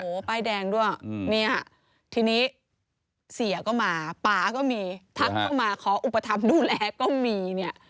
โอ้โหป้ายแดงด้วยเนี่ยทีนี้เสียก็มาป่าก็มีทักเข้ามาขออุปถัมภ์ดูแลก็มีเนี่ย